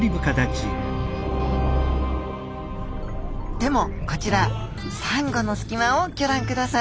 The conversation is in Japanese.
でもこちらサンゴの隙間をぎょらんください。